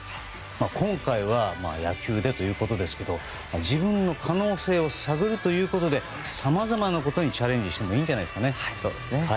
今回は野球でということですが自分の可能性を探るということでさまざまなことにチャレンジしてもいいんじゃないですかね。